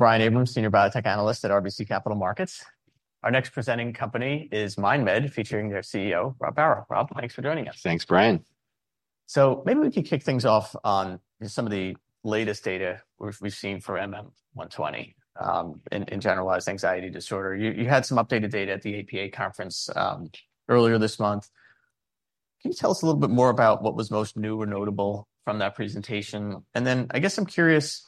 Brian Abrahams, Senior Biotech Analyst at RBC Capital Markets. Our next presenting company is MindMed, featuring their CEO, Rob Barrow. Rob, thanks for joining us. Thanks, Brian. So maybe we could kick things off on some of the latest data we've seen for MM120 in Generalized Anxiety Disorder. You had some updated data at the APA conference earlier this month. Can you tell us a little bit more about what was most new or notable from that presentation? And then I guess I'm curious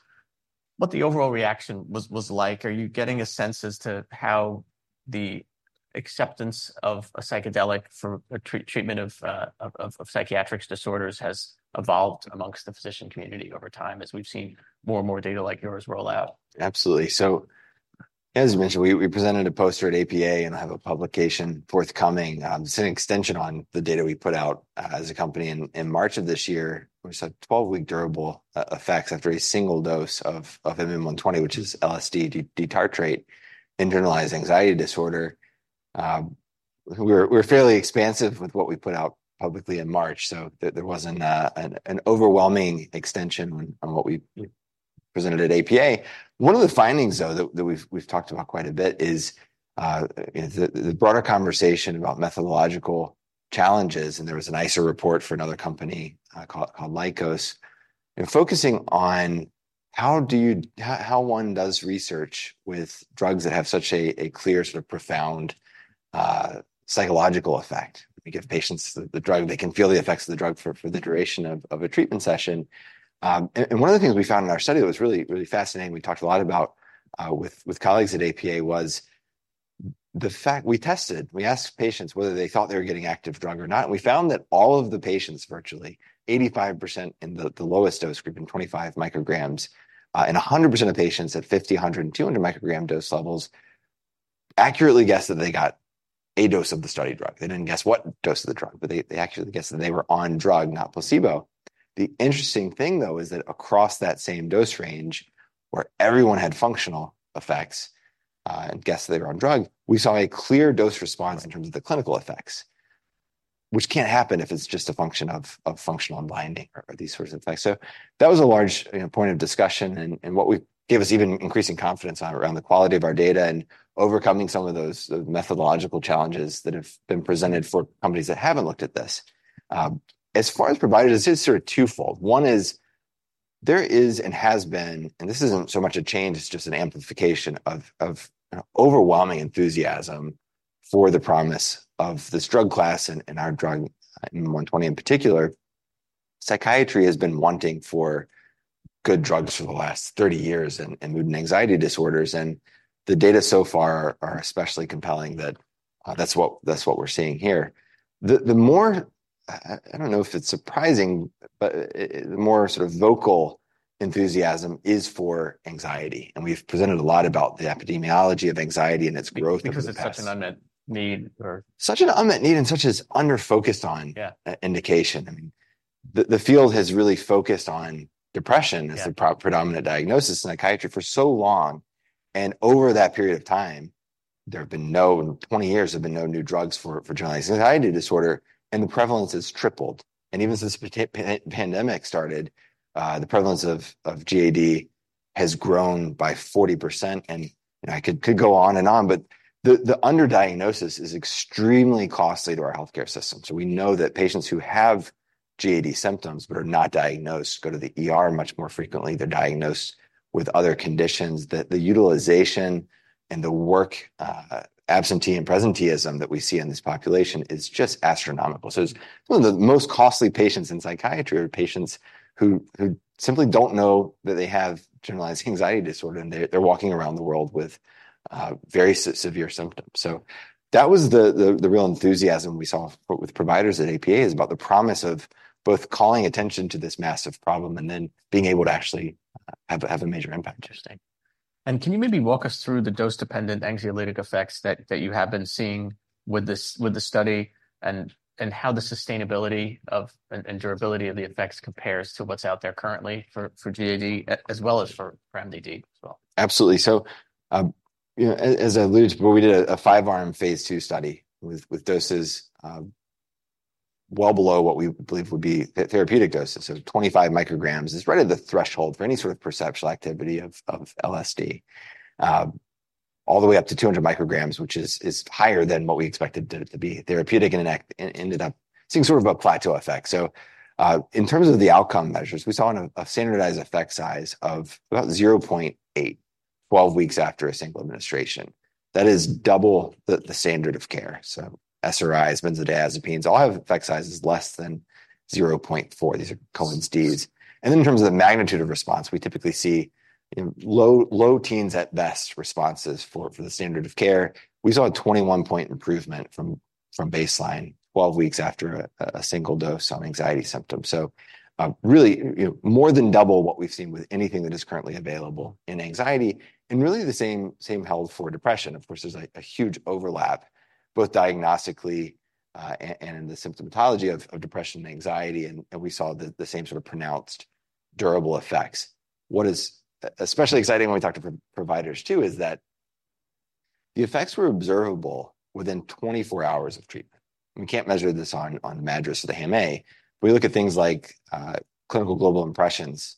what the overall reaction was like. Are you getting a sense as to how the acceptance of a psychedelic for a treatment of psychiatric disorders has evolved amongst the physician community over time, as we've seen more and more data like yours roll out? Absolutely. So as you mentioned, we presented a poster at APA, and I have a publication forthcoming. It's an extension on the data we put out as a company in March of this year, which had 12-week durable effects after a single dose of MM120, which is LSD D-tartrate, in generalized anxiety disorder. We're fairly expansive with what we put out publicly in March, so there wasn't an overwhelming extension on what we presented at APA. One of the findings, though, that we've talked about quite a bit is, you know, the broader conversation about methodological challenges, and there was an ICER report for another company, called Lykos, and focusing on how do you, how one does research with drugs that have such a clear, sort of profound, psychological effect. We give patients the drug, they can feel the effects of the drug for the duration of a treatment session. And one of the things we found in our study that was really, really fascinating, we talked a lot about with colleagues at APA, was the fact... We tested, we asked patients whether they thought they were getting active drug or not, and we found that all of the patients, virtually 85% in the lowest dose group, in 25 micrograms, and 100% of patients at 50, 100, and 200 microgram dose levels, accurately guessed that they got a dose of the study drug. They didn't guess what dose of the drug, but they, they accurately guessed that they were on drug, not placebo. The interesting thing, though, is that across that same dose range, where everyone had functional effects, and guessed they were on drug, we saw a clear dose response in terms of the clinical effects, which can't happen if it's just a function of functional unblinding or these sorts of effects. So that was a large, you know, point of discussion and, and what we gave us even increasing confidence around the quality of our data and overcoming some of those, the methodological challenges that have been presented for companies that haven't looked at this. As far as providers, this is sort of twofold. One is, there is and has been, and this isn't so much a change, it's just an amplification of, of, an overwhelming enthusiasm for the promise of this drug class and, and our drug, MM120 in particular. Psychiatry has been wanting for good drugs for the last 30 years in, in mood and anxiety disorders, and the data so far are especially compelling that, that's what, that's what we're seeing here. The more, I don't know if it's surprising, but the more sort of vocal enthusiasm is for anxiety, and we've presented a lot about the epidemiology of anxiety and its growth in the past. Because it's such an unmet need, or? Such an unmet need and such as under-focused on- Yeah... indication. I mean, the field has really focused on depression- Yeah... as the predominant diagnosis in psychiatry for so long, and over that period of time, in 20 years, there have been no new drugs for generalized anxiety disorder, and the prevalence has tripled. And even since the pandemic started, the prevalence of GAD has grown by 40%, and I could go on and on. But the underdiagnosis is extremely costly to our healthcare system. So we know that patients who have GAD symptoms but are not diagnosed go to the ER much more frequently. They're diagnosed with other conditions, that the utilization and the work absenteeism and presenteeism that we see in this population is just astronomical. So it's one of the most costly patients in psychiatry, are patients who simply don't know that they have generalized anxiety disorder, and they're walking around the world with very severe symptoms. So that was the real enthusiasm we saw with providers at APA, is about the promise of both calling attention to this massive problem and then being able to actually have a major impact. Interesting. And can you maybe walk us through the dose-dependent anxiolytic effects that you have been seeing with this—with the study, and how the sustainability and durability of the effects compares to what's out there currently for GAD, as well as for MDD as well? Absolutely. So, you know, as I alluded to, we did a five-arm Phase II study with doses well below what we believe would be therapeutic doses. So 25 micrograms is really the threshold for any sort of perceptual activity of LSD. All the way up to 200 micrograms, which is higher than what we expected it to be therapeutic, and it ended up seeing sort of a plateau effect. So, in terms of the outcome measures, we saw on a standardized effect size of about 0.8, 12 weeks after a single administration. That is double the standard of care. So SRIs, benzodiazepines, all have effect sizes less than 0.4. These are Cohen's d's. And in terms of the magnitude of response, we typically see in low teens, at best, responses for the standard of care. We saw a 21-point improvement from baseline, 12 weeks after a single dose on anxiety symptoms. So, really, you know, more than double what we've seen with anything that is currently available in anxiety, and really the same held for depression. Of course, there's a huge overlap, both diagnostically and in the symptomatology of depression and anxiety, and we saw the same sort of pronounced durable effects. What is especially exciting when we talk to providers too is that the effects were observable within 24 hours of treatment. We can't measure this on the MADRS or the HAM-A, but we look at things like Clinical Global Impressions.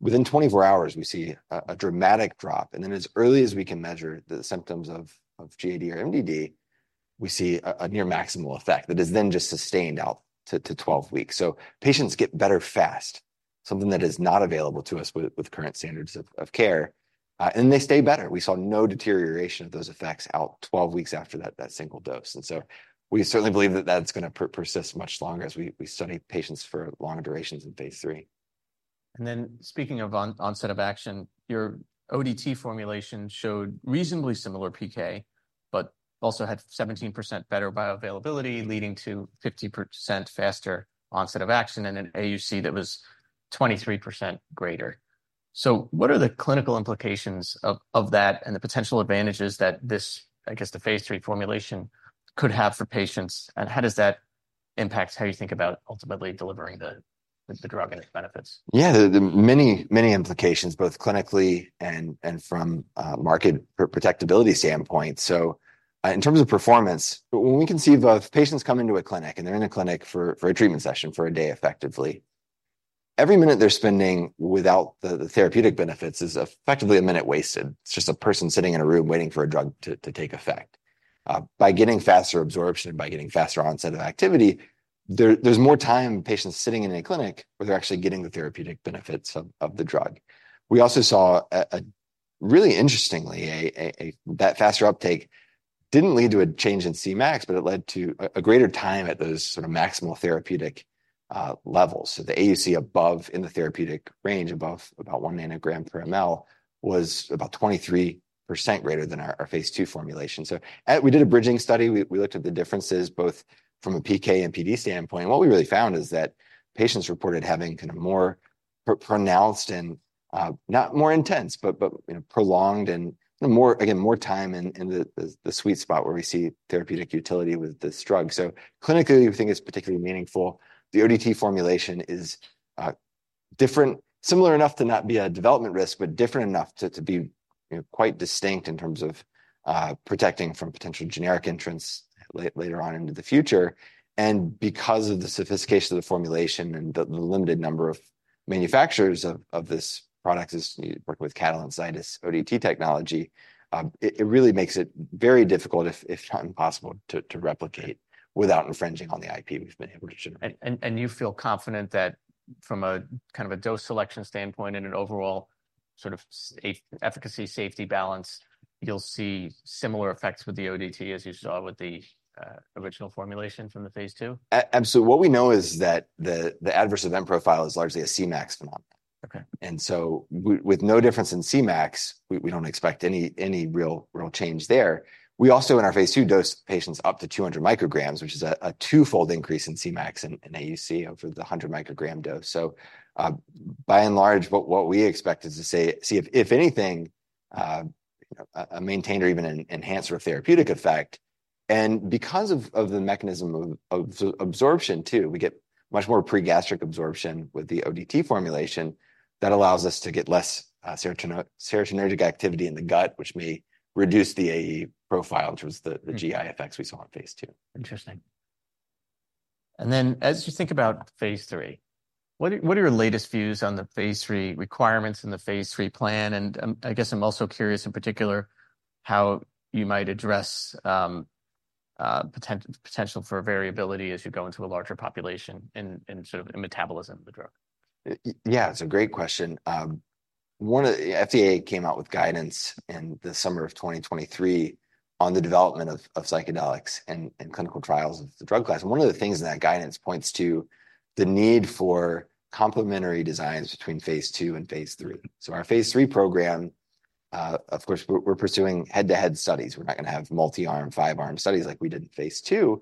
Within 24 hours, we see a dramatic drop, and then as early as we can measure the symptoms of GAD or MDD, we see a near maximal effect that is then just sustained out to 12 weeks. So patients get better fast, something that is not available to us with current standards of care, and they stay better. We saw no deterioration of those effects out 12 weeks after that single dose. And so we certainly believe that that's going to persist much longer as we study patients for longer durations in Phase III. And then speaking of onset of action, your ODT formulation showed reasonably similar PK, but also had 17% better bioavailability, leading to 50% faster onset of action, and an AUC that was 23% greater. So what are the clinical implications of that and the potential advantages that this, I guess, the Phase III formulation could have for patients? And how does that impact how you think about ultimately delivering the drug and its benefits? Yeah, there are many, many implications, both clinically and from a market protectability standpoint. So, in terms of performance, when we conceive of patients come into a clinic, and they're in a clinic for a treatment session for a day, effectively. Every minute they're spending without the therapeutic benefits is effectively a minute wasted. It's just a person sitting in a room waiting for a drug to take effect. By getting faster absorption, by getting faster onset of activity, there's more time patients sitting in a clinic where they're actually getting the therapeutic benefits of the drug. We also saw a really interestingly that faster uptake didn't lead to a change in Cmax, but it led to a greater time at those sort of maximal therapeutic levels. So the AUC above in the therapeutic range, above about one nanogram per ml, was about 23% greater than our Phase II formulation. We did a bridging study. We looked at the differences, both from a PK and PD standpoint, and what we really found is that patients reported having kind of more pronounced and not more intense, but you know, prolonged and, again, more time in the sweet spot where we see therapeutic utility with this drug. So clinically, we think it's particularly meaningful. The ODT formulation is different, similar enough to not be a development risk, but different enough to be you know quite distinct in terms of protecting from potential generic entrants later on into the future. Because of the sophistication of the formulation and the limited number of manufacturers of this product, as you work with Catalent Zydis ODT technology, it really makes it very difficult, if not impossible, to replicate without infringing on the IP we've been able to generate. You feel confident that from a kind of a dose selection standpoint and an overall sort of safety, efficacy, safety balance, you'll see similar effects with the ODT as you saw with the original formulation from the Phase II? What we know is that the adverse event profile is largely a Cmax phenomenon. Okay. And so with no difference in Cmax, we don't expect any real change there. We also in our Phase II dose, patients up to 200 micrograms, which is a twofold increase in Cmax and AUC over the 100 microgram dose. So, by and large, what we expect is to see if anything, a maintained or even an enhanced or a therapeutic effect. And because of the mechanism of absorption too, we get much more pre-gastric absorption with the ODT formulation that allows us to get less serotonergic activity in the gut, which may reduce the AE profile, which was the GI effects we saw on Phase II. Interesting. Then, as you think about Phase III, what are your latest views on the Phase III requirements and the Phase III plan? I guess I'm also curious in particular how you might address potential for variability as you go into a larger population in sort of metabolism of the drug. Yeah, it's a great question. One of the FDA came out with guidance in the summer of 2023 on the development of psychedelics and clinical trials of the drug class. And one of the things in that guidance points to the need for complementary designs between Phase II and Phase III. So our Phase III program, of course, we're pursuing head-to-head studies. We're not going to have multi-arm, five-arm studies like we did in Phase II.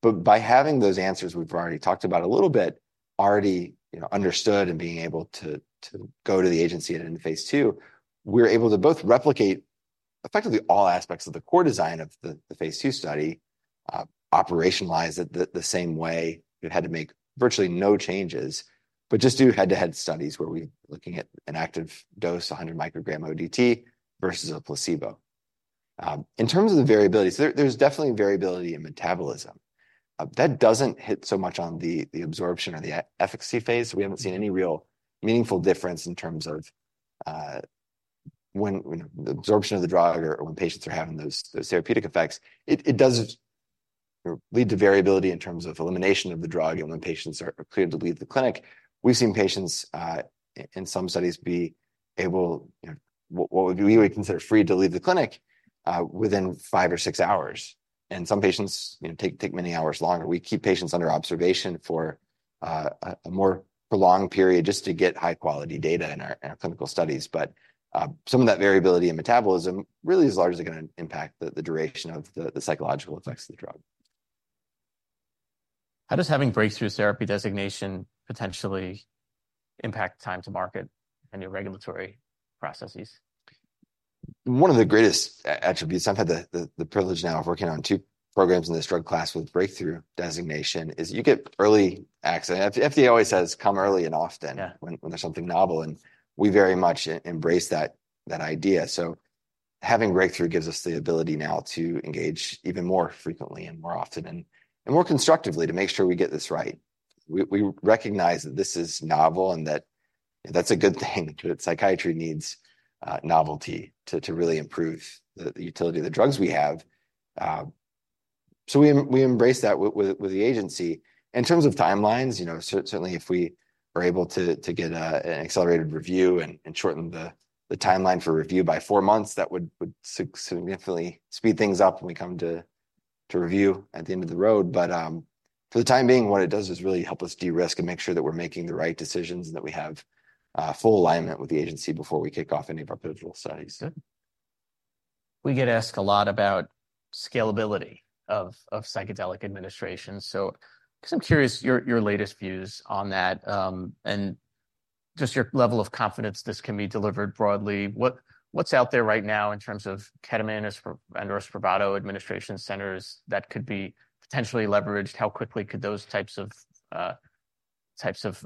But by having those answers we've already talked about a little bit already, you know, understood and being able to go to the agency and in Phase II, we're able to both replicate effectively all aspects of the core design of the Phase II study, operationalize it the same way. We've had to make virtually no changes, but just do head-to-head studies where we're looking at an active dose, 100 microgram ODT versus a placebo. In terms of the variability, there's definitely variability in metabolism. That doesn't hit so much on the absorption or the efficacy Phase. We haven't seen any real meaningful difference in terms of when the absorption of the drug or when patients are having those therapeutic effects. It does lead to variability in terms of elimination of the drug and when patients are cleared to leave the clinic. We've seen patients in some studies be able, you know, what we would consider free to leave the clinic, within 5 or 6 hours, and some patients, you know, take many hours longer. We keep patients under observation for a more prolonged period just to get high-quality data in our clinical studies. But, some of that variability in metabolism really is largely going to impact the duration of the psychological effects of the drug. How does having Breakthrough Therapy Designation potentially impact time to market and your regulatory processes? One of the greatest attributes... I've had the privilege now of working on two programs in this drug class with breakthrough designation, is you get early access. FDA always says, "Come early and often- Yeah When there's something novel," and we very much embrace that idea. So having breakthrough gives us the ability now to engage even more frequently and more often, and more constructively to make sure we get this right. We recognize that this is novel and that that's a good thing, that psychiatry needs novelty to really improve the utility of the drugs we have. So we embrace that with the agency. In terms of timelines, you know, certainly if we are able to get an accelerated review and shorten the timeline for review by four months, that would significantly speed things up when we come to review at the end of the road. But, for the time being, what it does is really help us de-risk and make sure that we're making the right decisions, and that we have full alignment with the agency before we kick off any of our pivotal studies. Good. We get asked a lot about scalability of psychedelic administration, so guess I'm curious your latest views on that, and just your level of confidence this can be delivered broadly. What's out there right now in terms of ketamine and/or Spravato administration centers that could be potentially leveraged? How quickly could those types of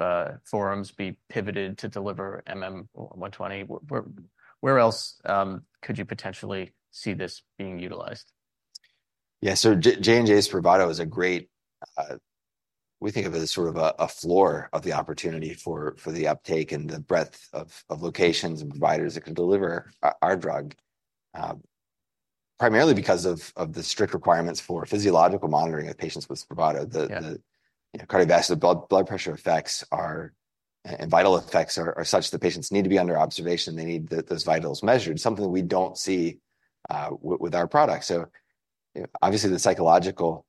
forums be pivoted to deliver MM120? Where else could you potentially see this being utilized? Yeah. So J&J's Spravato is a great, we think of it as sort of a floor of the opportunity for the uptake and the breadth of locations and providers that can deliver our drug. Primarily because of the strict requirements for physiological monitoring of patients with Spravato. Yeah. The you know, cardiovascular blood pressure effects are and vital effects are such that patients need to be under observation. They need those vitals measured, something we don't see with our product. So obviously, the psychological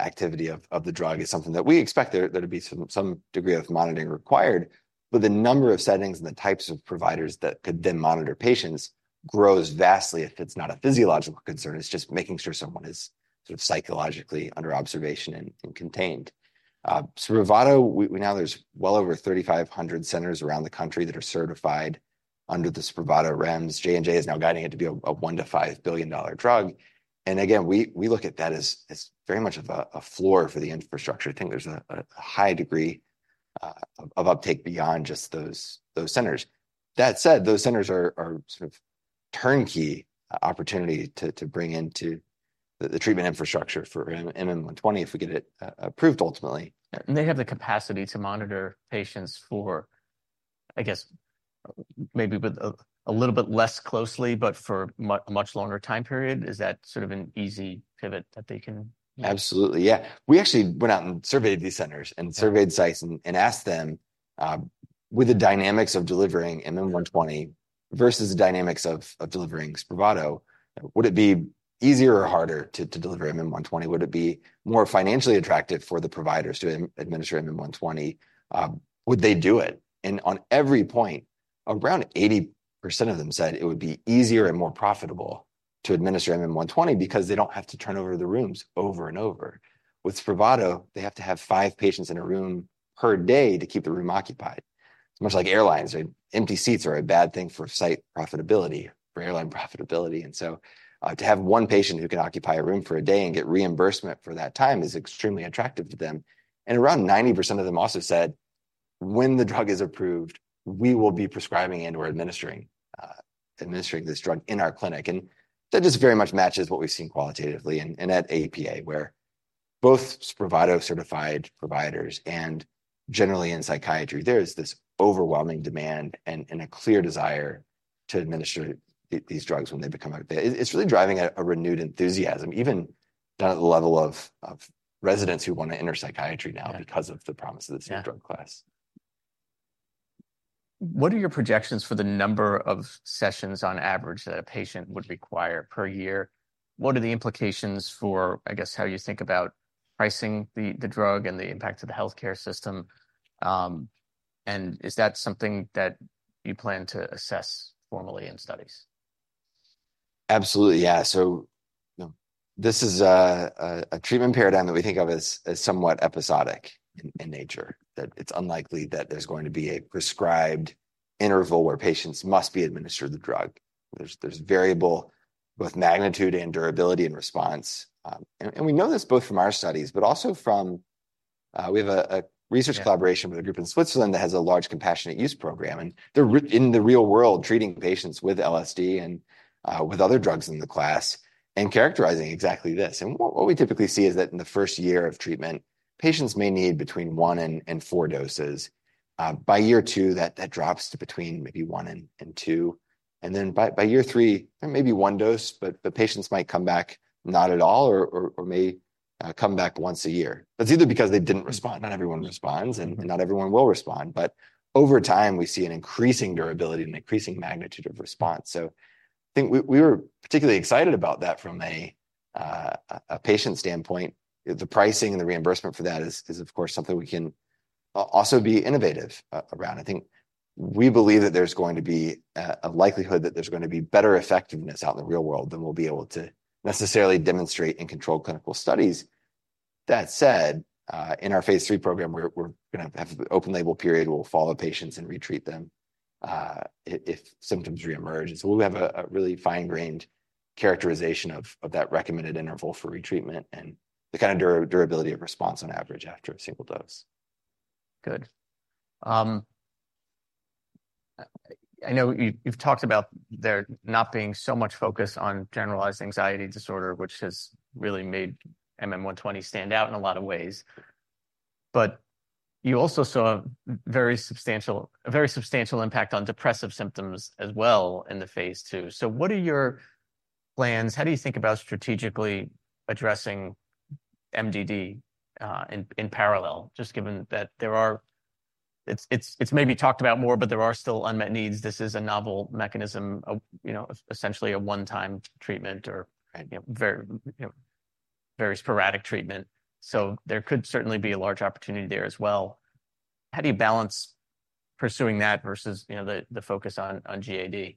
activity of the drug is something that we expect there to be some degree of monitoring required. But the number of settings and the types of providers that could then monitor patients grows vastly if it's not a physiological concern. It's just making sure someone is sort of psychologically under observation and contained. Spravato, now there's well over 3,500 centers around the country that are certified under the Spravato REMS. J&J is now guiding it to be a $1-$5 billion drug, and again, we look at that as very much of a floor for the infrastructure. I think there's a high degree of uptake beyond just those centers. That said, those centers are sort of turnkey opportunity to bring into the treatment infrastructure for MM120, if we get it approved ultimately. They have the capacity to monitor patients for, I guess, maybe with a little bit less closely, but for a much longer time period. Is that sort of an easy pivot that they can- Absolutely. Yeah. We actually went out and surveyed these centers and surveyed sites and asked them, "With the dynamics of delivering MM120 versus the dynamics of delivering Spravato, would it be easier or harder to deliver MM120? Would it be more financially attractive for the providers to administer MM120? Would they do it?" And on every point, around 80% of them said it would be easier and more profitable to administer MM120 because they don't have to turn over the rooms over and over. With Spravato, they have to have 5 patients in a room per day to keep the room occupied. It's much like airlines, right? Empty seats are a bad thing for site profitability, for airline profitability. And so, to have one patient who can occupy a room for a day and get reimbursement for that time is extremely attractive to them. And around 90% of them also said, "When the drug is approved, we will be prescribing and/or administering this drug in our clinic." And that just very much matches what we've seen qualitatively and, and at APA, where both Spravato-certified providers and generally in psychiatry, there is this overwhelming demand and, and a clear desire to administer these drugs when they become available. It's really driving a renewed enthusiasm, even down to the level of residents who want to enter psychiatry now because of the promise of this new drug class. What are your projections for the number of sessions on average that a patient would require per year? What are the implications for, I guess, how you think about pricing the drug and the impact to the healthcare system? And is that something that you plan to assess formally in studies? Absolutely, yeah. So, you know, this is a treatment paradigm that we think of as somewhat episodic in nature. That it's unlikely that there's going to be a prescribed interval where patients must be administered the drug. There's variable, both magnitude and durability and response. And we know this both from our studies, but also from... We have a research- Yeah... collaboration with a group in Switzerland that has a large compassionate use program, and they're in the real world, treating patients with LSD and with other drugs in the class and characterizing exactly this. What we typically see is that in the first year of treatment, patients may need between one and four doses. By year two, that drops to between maybe one and two, and then by year three, there may be one dose, but the patients might come back not at all, or may come back once a year. That's either because they didn't respond, not everyone responds, and not everyone will respond, but over time, we see an increasing durability and increasing magnitude of response. I think we were particularly excited about that from a patient standpoint. The pricing and the reimbursement for that is, of course, something we can also be innovative around. I think we believe that there's going to be a likelihood that there's gonna be better effectiveness out in the real world than we'll be able to necessarily demonstrate in controlled clinical studies. That said, in our Phase III program, we're gonna have an open label period, where we'll follow patients and retreat them, if symptoms re-emerge. So we'll have a really fine-grained characterization of that recommended interval for retreatment and the kind of durability of response on average after a single dose.... Good. I know you, you've talked about there not being so much focus on generalized anxiety disorder, which has really made MM120 stand out in a lot of ways. But you also saw a very substantial impact on depressive symptoms as well in the Phase II. So what are your plans? How do you think about strategically addressing MDD in parallel, just given that there are... It's maybe talked about more, but there are still unmet needs. This is a novel mechanism of, you know, essentially a one-time treatment or, you know, very, you know, very sporadic treatment. So there could certainly be a large opportunity there as well. How do you balance pursuing that versus, you know, the focus on GAD, which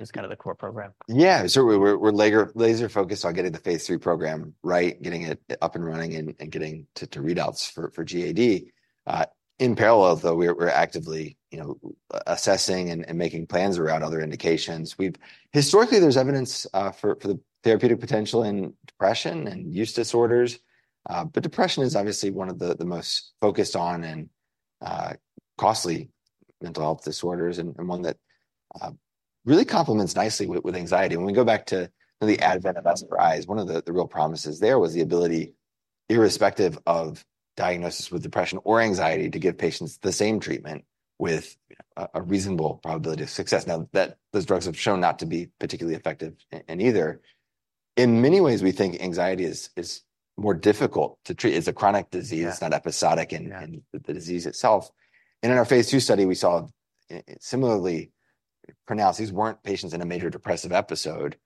is kind of the core program? Yeah. So we're laser focused on getting the Phase III program right, getting it up and running, and getting to readouts for GAD. In parallel, though, we're actively, you know, assessing and making plans around other indications. Historically, there's evidence for the therapeutic potential in depression and use disorders. But depression is obviously one of the most focused on and costly mental health disorders, and one that really complements nicely with anxiety. When we go back to the advent of SSRIs, one of the real promises there was the ability, irrespective of diagnosis with depression or anxiety, to give patients the same treatment with a reasonable probability of success. Now that those drugs have shown not to be particularly effective in either. In many ways, we think anxiety is more difficult to treat. It's a chronic disease it's not episodic in- Yeah -in the disease itself. And in our Phase II study, we saw similarly pronounced. These weren't patients in a major depressive episode,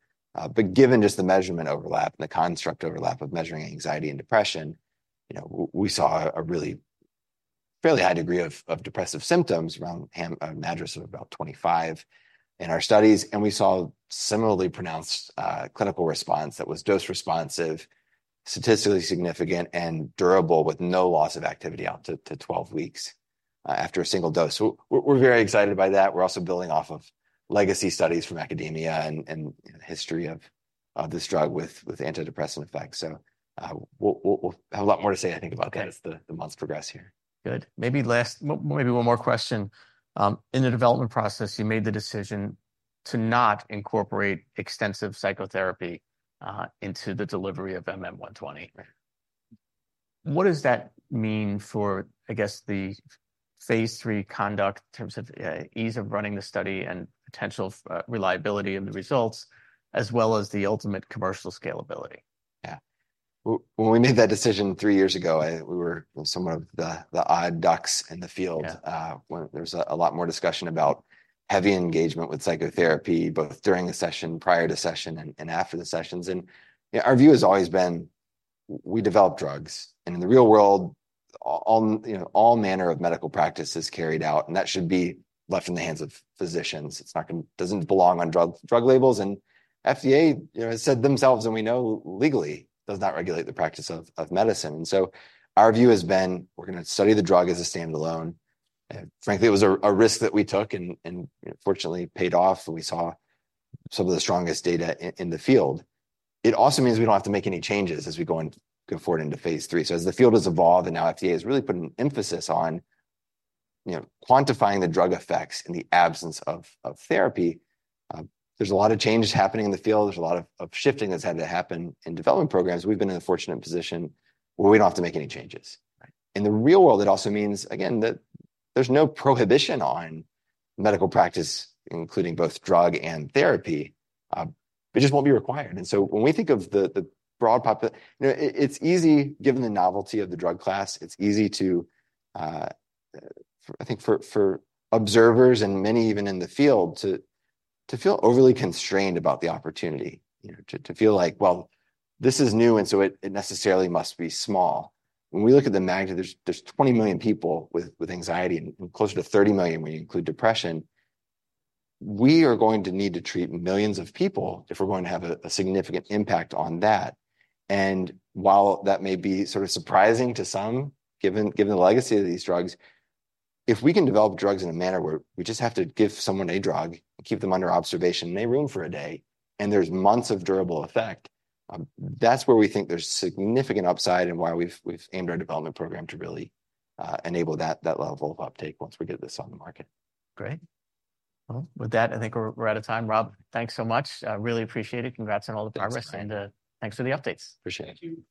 but given just the measurement overlap and the construct overlap of measuring anxiety and depression, you know, we saw a really fairly high degree of depressive symptoms around a MADRS of about 25 in our studies. And we saw similarly pronounced clinical response that was dose-responsive, statistically significant, and durable, with no loss of activity out to 12 weeks after a single dose. So we're very excited by that. We're also building off of legacy studies from academia and the history of this drug with antidepressant effects. So we'll have a lot more to say, I think, about that as the months progress here. Good. Maybe one more question. In the development process, you made the decision to not incorporate extensive psychotherapy into the delivery of MM120? Right. What does that mean for, I guess, the Phase III conduct in terms of ease of running the study and potential reliability of the results, as well as the ultimate commercial scalability? Yeah. When we made that decision three years ago, we were somewhat of the odd ducks in the field. Yeah. When there was a lot more discussion about heavy engagement with psychotherapy, both during the session, prior to session, and after the sessions. Yeah, our view has always been, we develop drugs, and in the real world, you know, all manner of medical practice is carried out, and that should be left in the hands of physicians. It's not gonna, doesn't belong on drug labels, and FDA, you know, has said themselves, and we know legally, does not regulate the practice of medicine. So our view has been we're gonna study the drug as a standalone. And frankly, it was a risk that we took and, you know, fortunately paid off, and we saw some of the strongest data in the field. It also means we don't have to make any changes as we go, going forward into Phase III. So as the field has evolved, and now FDA has really put an emphasis on, you know, quantifying the drug effects in the absence of therapy, there's a lot of changes happening in the field. There's a lot of shifting that's had to happen in development programs. We've been in a fortunate position where we don't have to make any changes. Right. In the real world, it also means, again, that there's no prohibition on medical practice, including both drug and therapy, it just won't be required. And so when we think of, you know, it, it's easy, given the novelty of the drug class, it's easy to, for, I think, for, for observers and many even in the field, to, to feel overly constrained about the opportunity, you know, to, to feel like: well, this is new, and so it, it necessarily must be small. When we look at the magnitude, there's, there's 20 million people with, with anxiety, and closer to 30 million when you include depression. We are going to need to treat millions of people if we're going to have a, a significant impact on that. And while that may be sort of surprising to some, given the legacy of these drugs, if we can develop drugs in a manner where we just have to give someone a drug and keep them under observation in a room for a day, and there's months of durable effect, that's where we think there's significant upside and why we've aimed our development program to really enable that level of uptake once we get this on the market. Great. Well, with that, I think we're out of time. Rob, thanks so much. Really appreciate it. Congrats on all the progress- Thanks, Brian... and, thanks for the updates. Appreciate it.